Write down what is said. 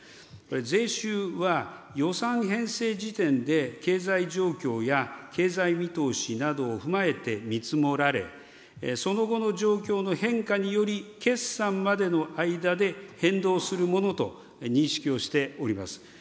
税収は予算編成時点で、経済状況や経済見通しなどを踏まえて見積もられ、その後の状況の変化により、決算までの間で変動するものと認識をしております。